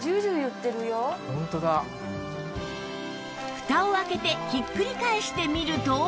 フタを開けてひっくり返してみると